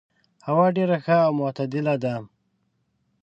هوا ډېر ښه او معتدل ده.